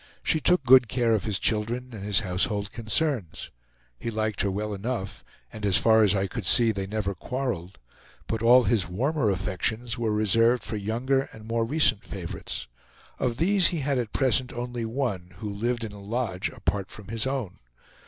She took good care of his children and his household concerns. He liked her well enough, and as far as I could see they never quarreled; but all his warmer affections were reserved for younger and more recent favorites. Of these he had at present only one, who lived in a lodge apart from his own.